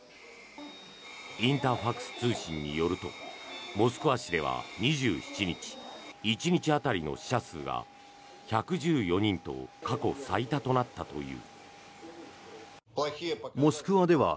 インタファクス通信によるとモスクワ市では２７日１日当たりの死者数が１１４人と過去最多となったという。